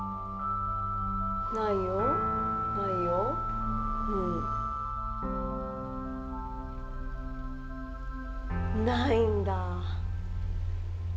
ないよないようん。ないんだ。